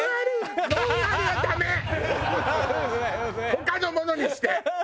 他のものにして！